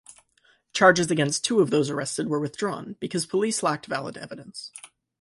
Charges against two of those arrested were withdrawn because police lacked valid evidence.